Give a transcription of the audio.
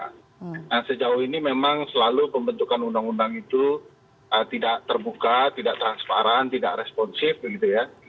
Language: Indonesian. nah sejauh ini memang selalu pembentukan undang undang itu tidak terbuka tidak transparan tidak responsif begitu ya